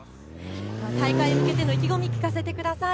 大会に向けての意気込みを聞かせてください。